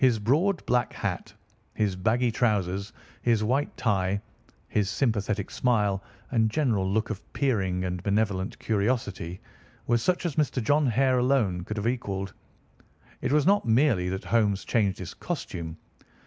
His broad black hat, his baggy trousers, his white tie, his sympathetic smile, and general look of peering and benevolent curiosity were such as Mr. John Hare alone could have equalled. It was not merely that Holmes changed his costume.